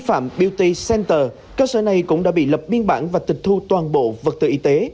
ni phạm beauty center cơ sở này cũng đã bị lập biên bản và tịch thu toàn bộ vật tự y tế